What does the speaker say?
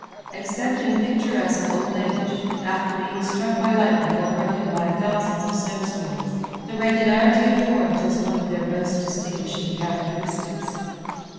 Except in picturesque old age, after being struck by lightning or broken by thousands of snow storms, the regularity of forms is one of their most distinguishing characteristics.